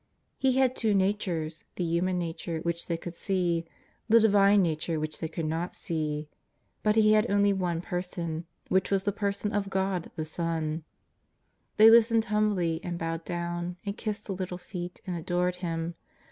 He had two natures, the hu man nature which they could see, the Divine Xature which they could not see, but He had only one Per son, which was the Person of God the Son. They lis tened humbly, and bowed down, and kissed the little feet, and adored Him.